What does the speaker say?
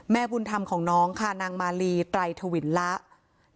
แม่บุลทำของน้องค่ะนางมาลีไตระวิรัน